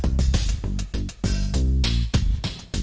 เมื่อกี้ก็ไม่มีเมื่อกี้